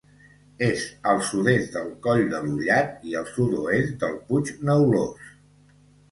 És al sud-est del Coll de l'Ullat i al sud-oest del Puig Neulós.